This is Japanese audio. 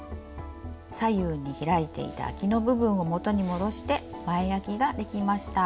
左右に開いていたあきの部分を元に戻して前あきができました。